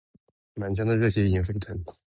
满腔的热血已经沸腾，